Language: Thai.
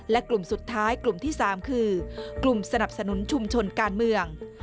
และกลุ่มสุดท้ายกลุ่มที่๓คือกลุ่มสนับสนุนชุมชนการเมือง